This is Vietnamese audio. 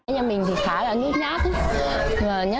nhà mình thì khá là nhức nhát